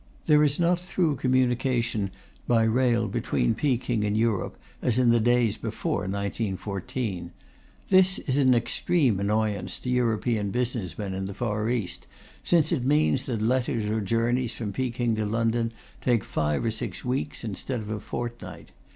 There is not through communication by rail between Peking and Europe as in the days before 1914. This is an extreme annoyance to European business men in the Far East, since it means that letters or journeys from Peking to London take five or six weeks instead of a fortnight.